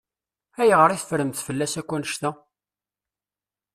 Ayɣer i teffremt fell-as akk annect-a?